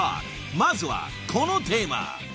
［まずはこのテーマ］